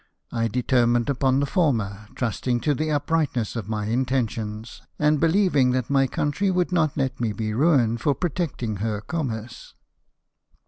I determined upon the former, trusting to the uprightness of my intentions, and believing that my country would not let me be ruined for protecting her commerce."